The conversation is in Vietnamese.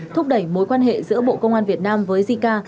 thúc đẩy mối quan hệ giữa bộ công an việt nam với jica